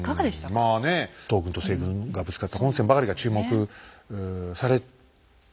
まあね東軍と西軍がぶつかった本戦ばかりが注目されますけどね